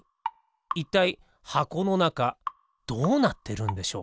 いったいはこのなかどうなってるんでしょう？